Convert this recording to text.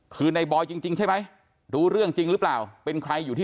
คือในบอยจริงใช่ไหมรู้เรื่องจริงหรือเปล่าเป็นใครอยู่ที่